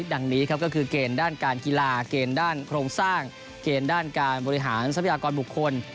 ดังนี้ครับก็คือเกณฑ์ด้านการกีฬาเกณฑ์ด้านโครงสร้างเกณฑ์ด้านการบริหารทรัพยากรบุคคล